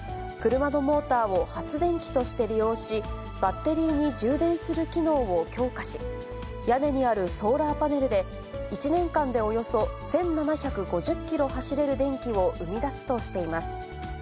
車のモーターを発電機として利用し、バッテリーに充電する機能を強化し、屋根にあるソーラーパネルで、１年間でおよそ１７５０キロ走れる電気を生み出すとしています。